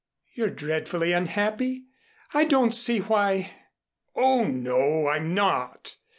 "You're dreadfully unhappy. I don't see why " "Oh, no, I'm not.